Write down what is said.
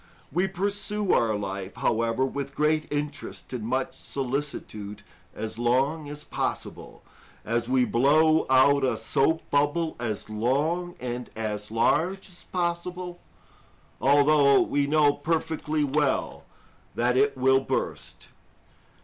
We pursue our life, however, with great interest and much solicitude as long as possible, as we blow out a soap bubble as long and as large as possible, although we know perfectly well that it will burst.